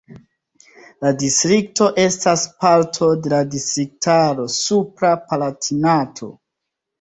La distrikto estas parto de la distriktaro Supra Palatinato.